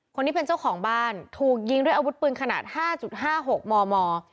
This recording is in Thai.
คนนี้เป็นเจ้าของบ้านถูกยิงด้วยอาวุธปืนขนาด๕๕๖มม